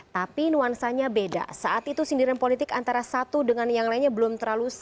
tapi nuansanya beda saat itu sindiran politik antara satu dengan yang lainnya belum terlalu